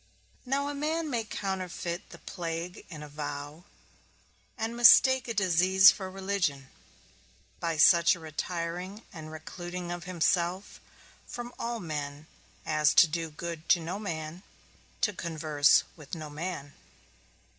Now a man may counterfeit the plague in a vow, and mistake a disease for religion, by such a retiring and recluding of himself from all men as to do good to no man, to converse with no man.